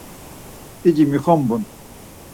P̌ici mixombun.